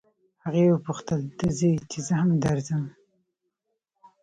هغې وپوښتل ته ځې چې زه هم درځم.